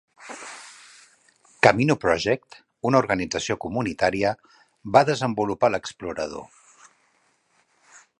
Camino Project, una organització comunitària, va desenvolupar l'explorador.